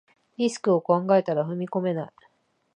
リスクを考えたら踏み込めない